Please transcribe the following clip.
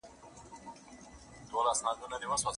غلام سپي ته په ډیر احترام کتل.